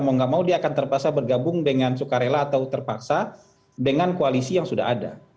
mau nggak mau dia akan terpaksa bergabung dengan sukarela atau terpaksa dengan koalisi yang sudah ada